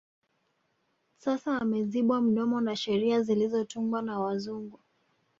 Sasa amezibwa mdomo na sheria zilizotungwa na wazungu